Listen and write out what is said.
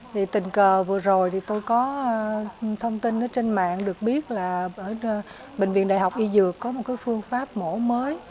thì tình cờ vừa rồi thì tôi có thông tin ở trên mạng được biết là ở bệnh viện đại học y dược có một cái phương pháp mổ mới